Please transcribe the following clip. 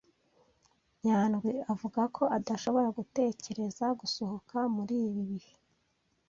nyandwi avuga ko adashobora gutekereza gusohoka muri ibi bihe.